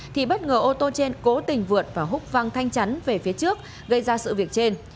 thì bất ngờ ô tô trên cố tình vượt và hút văng thanh chắn về phía trước gây ra sự việc trên